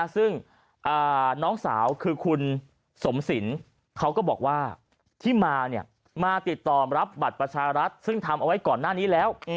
ซึ่งน้องสาวคือคุณสมสินเขาก็บอกว่าที่มามาติดต่อรับบัตรประชารัฐซึ่งทำเอาไว้ก่อนหน้านี้แล้ว